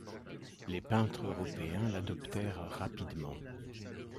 Les peintres européens l'adoptèrent rapidement.